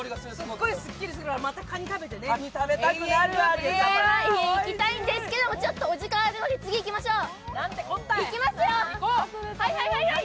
すっごいすっきりするわ、またかに食べてね。いきたいんですけど、お時間あるので次、いきましょう。